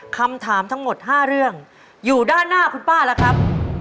คำถามทั้งหมด๕เรื่องอยู่ด้านหน้าคุณป้าแล้วครับ